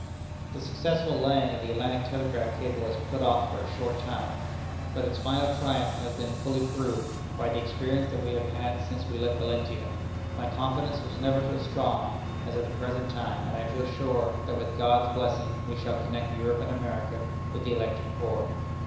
"The successful laying down of the Atlantic Telegraph Cable is put off for a short time, but its final triumph has been fully proved, by the experience that we have had since we left Valentia. My confidence was never so strong as at the present time, and I feel sure, that with God's blessing, we shall connect Europe and America with the electric cord.